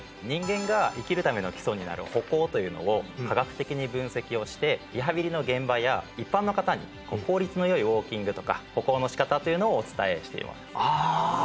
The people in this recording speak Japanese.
人間が生きるための基礎になる歩行というのを科学的に分析をしてリハビリの現場や一般の方に効率のよいウォーキングとか歩行のしかたというのをお伝えしていますあ！